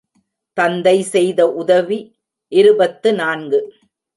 தந்தை செய்த உதவி இருபத்து நான்கு.